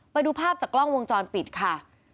ไปดูภาพจากกล้องวงจรปิดค่ะ